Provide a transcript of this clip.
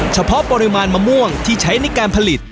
เฉพาะปริมาณมะม่วงที่ใช้ในการผลิต